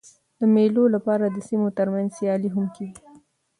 د مېلو له پاره د سیمو تر منځ سیالۍ هم کېږي.